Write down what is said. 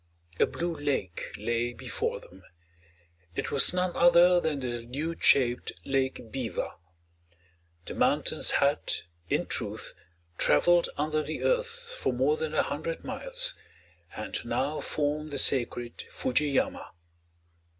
A blue lake lay before them. It was none other than the lute shaped Lake Biwa. The mountains had, in truth, traveled under the earth for more than a hundred miles, and now form the sacred Fuji yama.